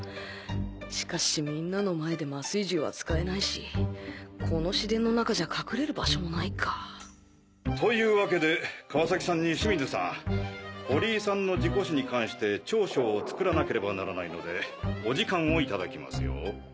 しかしみんなの前で麻酔銃は使えないしこの市電の中じゃ隠れる場所もないかという訳で川崎さんに清水さん堀井さんの事故死に関して調書を作らなければならないのでお時間を頂きますよ。